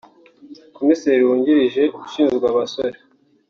Komiseri wungirije ushinzwe abasora